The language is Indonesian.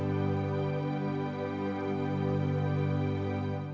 gendut sangsi kuil kau bapak